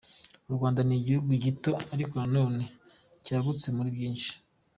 U Rwanda ni igihugu gito ariko nanone cyagutse muri byinshi.